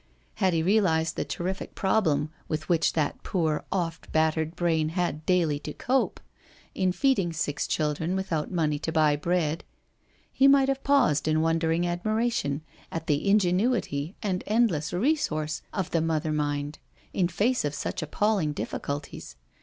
Had he realised the terrific problem with which that poor oft battered brain had daily to cope, in feeding six children without money to buy bread, he might have paused in wondering admiration at the ingenuity and endless resource of the mother mind, in face of such appalling difficulties.